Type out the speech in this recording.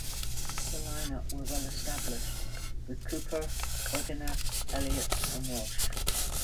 The line-up were "well-established" with Kuepper, Wegener, Elliot, and Walsh.